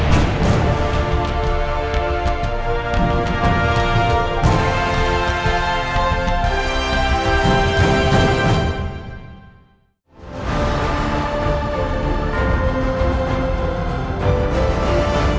hẹn gặp lại